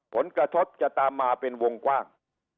ผลกระทบจะตามมาเป็นวงกว้าง